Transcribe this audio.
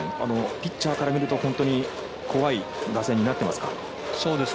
ピッチャーから見ると本当に怖い打線になってますか。